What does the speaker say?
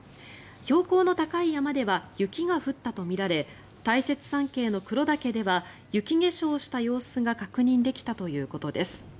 標高の高い山では雪が降ったとみられ大雪山系の黒岳では雪化粧した様子が確認できたということです。